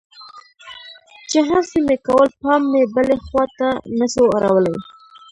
چې هرڅه مې کول پام مې بلې خوا ته نه سو اړولى.